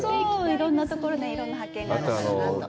いろんなところでいろんな発見があるんだろうなと。